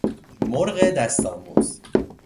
مرغ دست آموز